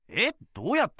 どうやって？